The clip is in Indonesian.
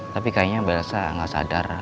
tapi kayaknya pak elsa gak sadar